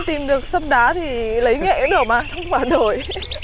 im đi im đi